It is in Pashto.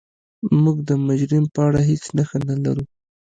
موږ د مجرم په اړه هیڅ نښه نلرو.